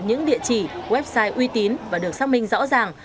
những địa chỉ website uy tín và được xác minh rõ ràng